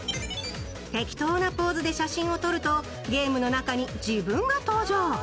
てきとなポーズで写真を撮るとゲームの中に自分が登場。